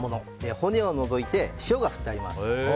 骨を除いて塩が振ってあります。